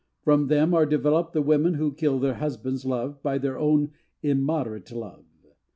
From them are developed the women who kill their husband's love by their own immoderate love.